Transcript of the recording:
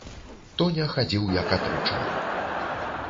Тоня хадзіў як атручаны.